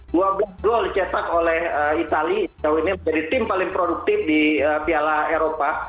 dua gol gol dicetak oleh itali yang menjadi tim paling produktif di piala eropa